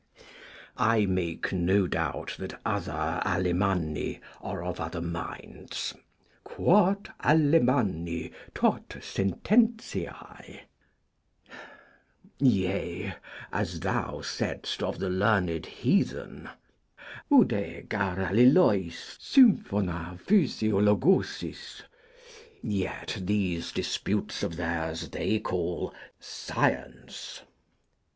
I make no doubt that other Alemanni are of other minds: quot Alemanni tot sententiae. Yea, as thou saidst of the learned heathen, Oude gar allelois symphona physiologousis. Yet these disputes of theirs they call 'Science'!